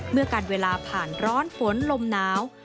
เมื่อกันเวลาผ่านร้อนฝนลมหนาว